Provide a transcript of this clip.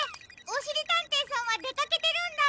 おしりたんていさんはでかけてるんだ！